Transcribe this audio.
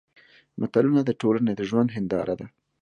متلونه د ټولنې د ژوند هېنداره ده